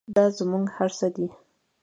دا زموږ هر څه دی